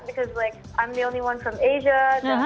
karena aku yang satu satunya dari asia